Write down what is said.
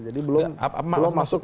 jadi belum masuk ke program